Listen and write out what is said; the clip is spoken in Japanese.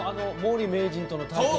毛利名人との対決。